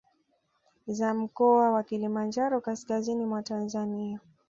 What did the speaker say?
Za Mkoa wa Kilimanjaro Kaskazini mwa Tanzania